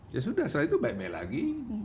ya sudah setelah itu baik baik lagi